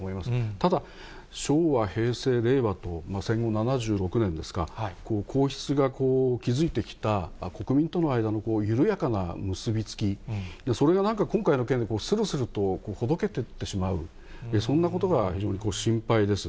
ただ、昭和、平成、令和と、戦後７６年ですか、皇室が築いてきた、国民との間の緩やかな結び付き、それがなんか、今回の件で、するするとほどけていってしまう、そんなことが非常に心配です。